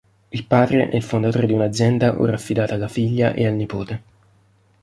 Il padre è il fondatore di un'azienda ora affidata alla figlia e al nipote.